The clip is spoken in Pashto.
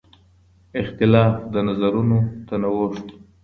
اختلاف د نظرونو تنوع ښيي.